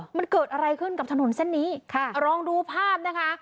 มันเกิดอะไรขึ้นกับถนนเส้นนี้ค่ะลองดูภาพนะคะ